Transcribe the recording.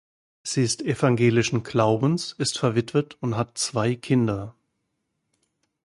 Sie ist evangelischen Glaubens, ist verwitwet und hat zwei Kinder.